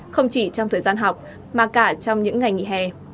không chỉ trong thời gian học mà cả trong những ngày nghỉ hè